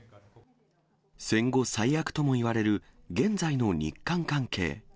戦後最悪ともいわれる現在の日韓関係。